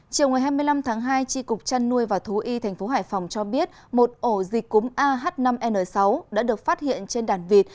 chiều ngày hai mươi năm tháng hai tri cục trăn nuôi và thú y thành phố hải phòng cho biết một ổ dịch cúm ah năm n sáu đã được phát hiện trên đàn vịt